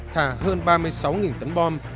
thả hơn ba mươi sáu tấn bom